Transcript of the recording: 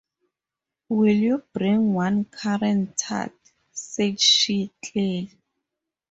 “Will you bring one currant tart?” said she clearly.